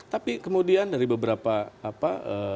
tapi kemudian dari beberapa apa